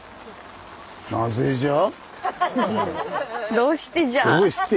どうしてじゃ？